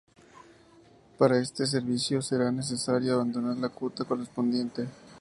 Para este servicio, será necesario abonar la cuota correspondiente.